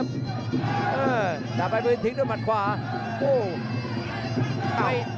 เออดำไม้ปืนทิ้งด้วยมันขวาโอ้โห